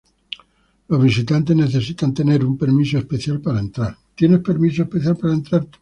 Los visitantes necesitan tener un permiso especial para entrar.